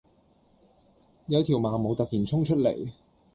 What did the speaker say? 有條盲毛突然衝出嚟